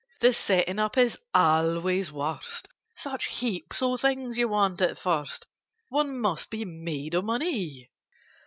The setting up is always worst: Such heaps of things you want at first, One must be made of money!